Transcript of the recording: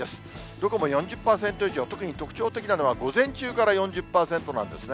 どこも４０％以上、特に特徴的なのは午前中から４０％なんですね。